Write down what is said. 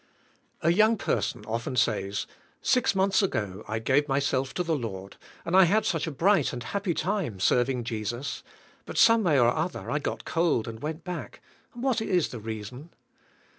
A young" person often says, "Six months ago I gave myself to the Lord and I had such a bright and happy time serving Jesus, but some way or other I got cold and went back and what is the reason?"